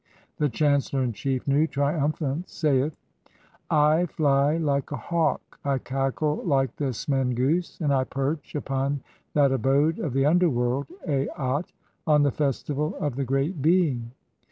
The chancellor in chief, Nu, trium phant, saith :— (2) "I fly like a hawk, I cackle like the smen goose, and I perch "(3) upon that abode of the underworld (dat) on the festival "of the great Being.